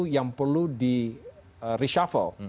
yang perlu di reshuffle